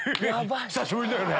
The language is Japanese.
久しぶりだよね。